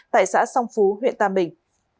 tại xã song phú huyện tâm bình